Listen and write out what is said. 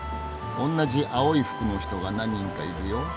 同じ青い服の人が何人かいるよ。